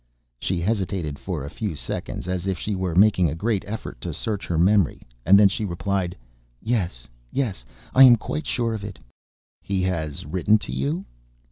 She hesitated for a few seconds, as if she were making a great effort to search her memory, and then she replied: "Yes ... yes, I am quite sure of it." "He has written to you?"